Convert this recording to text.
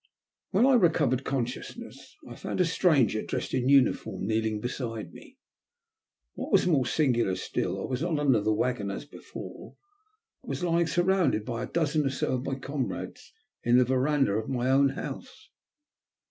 WHEN I recovered consciousness I found a stranger dressed in uniform kneeling beside me. What was more singular still I was not onder the waggon as before, but was lying surrounded by a dozen or so of my comrades in the verandah of my own house.